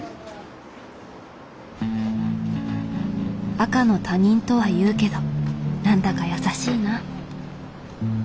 赤の他人とは言うけど何だか優しいな。